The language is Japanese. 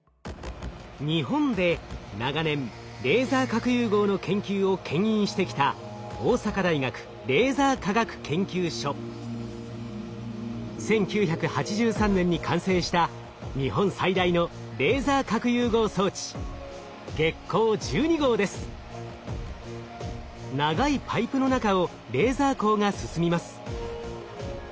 日本で長年レーザー核融合の研究をけん引してきた１９８３年に完成した日本最大の長いパイプの中をレーザー光が進みます。